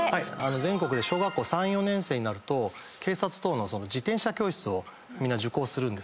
全国で小学校３４年生になると警察等の自転車教室をみんな受講するんですね。